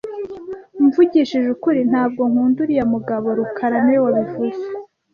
Mvugishije ukuri, ntabwo nkunda uriya mugabo rukara niwe wabivuze